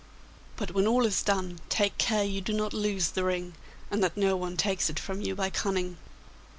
But when all is done, take care you do not lose the ring, and that no one takes it from you by cunning.